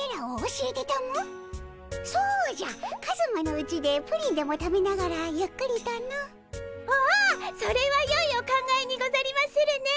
そうじゃカズマのうちでプリンでも食べながらゆっくりとの。おおそれはよいお考えにござりまするね。